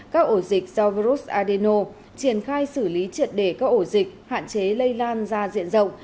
các ổ dịch do virus adeno triển khai xử lý triệt để các ổ dịch hạn chế lây lan ra diện rộng